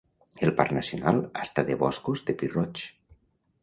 El parc nacional està de boscos de pi roig.